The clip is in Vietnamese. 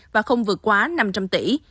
và không vượt quá năm trăm linh tỷ